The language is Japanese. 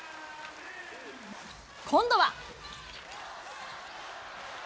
今度は。